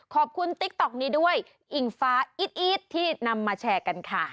ติ๊กต๊อกนี้ด้วยอิงฟ้าอีดที่นำมาแชร์กันค่ะ